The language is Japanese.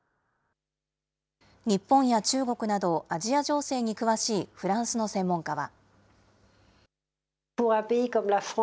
日本や中国など、アジア情勢に詳しいフランスの専門家は。